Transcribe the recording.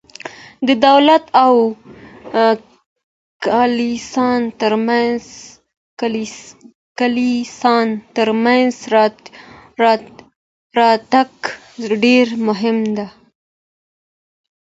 د دولت او کلیسا ترمنځ اړیکه ډیره مهمه ده.